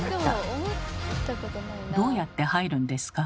どうやって入るんですか？